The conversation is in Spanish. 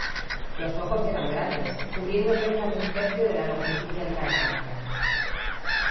Los ojos eran grandes, cubriendo cerca de un tercio de la longitud del carapacho.